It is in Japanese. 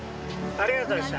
ありがとうございます。